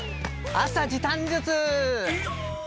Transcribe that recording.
朝時短術！